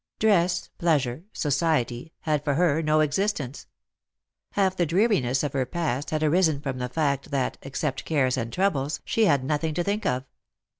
Dress, pleasure, society, had for her no existence. Half the dreariness of her past life had arisen from the fact that, except cares and troubles, she had nothing to think of.